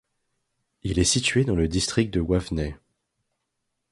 Il est situé dans le district de Waveney.